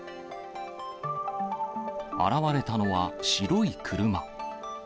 現れたのは白い車。